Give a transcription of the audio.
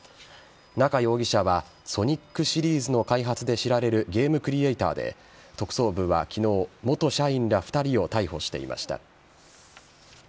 中容疑者は「ソニック」シリーズの開発で知られるゲームクリエイターで特捜部は昨日元社員ら２人を逮捕していました。